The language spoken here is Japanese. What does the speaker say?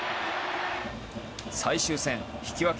最終戦、引き分け